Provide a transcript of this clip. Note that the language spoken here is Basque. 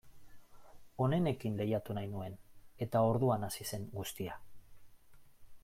Onenekin lehiatu nahi nuen, eta orduan hasi zen guztia.